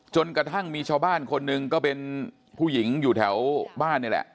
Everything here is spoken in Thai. จนกระทั่งมีชาวบ้านคนหนึ่งก็เป็นผู้หญิงอยู่แถวบ้านนี่แหละ